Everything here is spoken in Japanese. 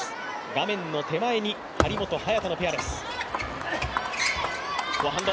画面の手前に張本・早田のペアです。